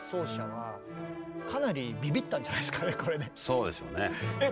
そうでしょうね。